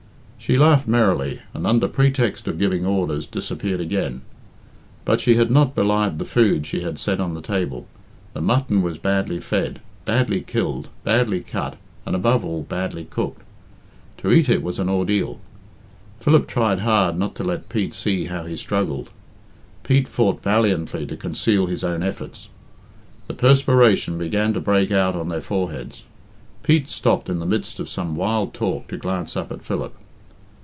She laughed merrily, and, under pretext of giving orders, disappeared again. But she had not belied the food she had set on the table. The mutton was badly fed, badly killed, badly cut, and, above all, badly cooked. To eat it was an ordeal. Philip tried hard not to let Pete see how he struggled. Pete fought valiantly to conceal his own efforts. The perspiration began to break out on their foreheads. Pete stopped in the midst of some wild talk to glance up at Philip.